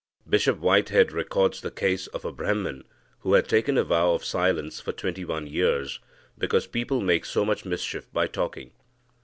Bishop Whitehead records the case of a Brahman, who had taken a vow of silence for twenty one years, because people make so much mischief by talking.